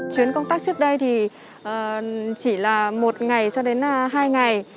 chuyến công tác trước đây thì chỉ là một ngày cho đến hai ngày